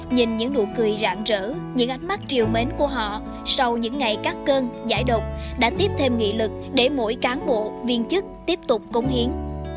nhìn những nụ cười rạn rỡ những ánh mắt triều mến của họ sau những ngày cắt cơn giải độc đã tiếp thêm nghị lực để mỗi cán bộ viên chức tiếp tục cống hiến